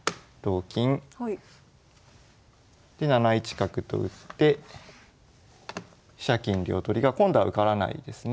で７一角と打って飛車金両取りが今度は受からないですね。